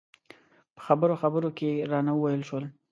په خبرو خبرو کې رانه وویل شول.